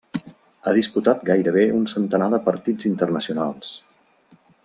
Ha disputat gairebé un centenar de partits internacionals.